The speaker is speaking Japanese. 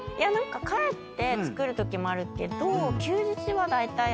帰って作るときもあるけど。